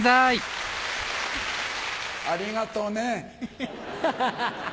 ありがとうね。